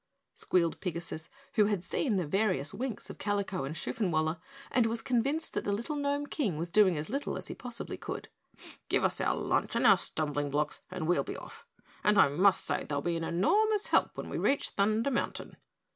squealed Pigasus, who had seen the various winks between Kalico and Shoofenwaller and was convinced that the little Gnome King was doing as little as he possibly could. "Give us our lunch and our stumbling blocks and we'll be off, and I must say they'll be an enormous help when we reach Thunder Mountain."